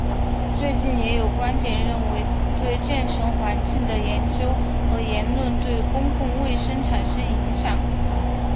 最近也有观点认为对建成环境的研究和言论对公共卫生产生影响。